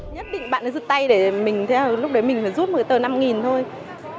nhất định bạn ấy giữ tay để mình lúc đấy mình phải rút một cái tờ năm thôi